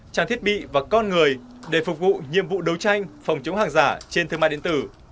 trang thiết bị và con người để phục vụ nhiệm vụ đấu tranh phòng chống hàng giả trên thương mại điện tử